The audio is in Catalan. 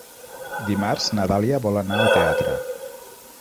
Dimarts na Dàlia vol anar al teatre.